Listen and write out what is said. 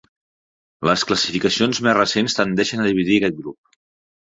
Les classificacions més recents tendeixen a dividir aquest grup.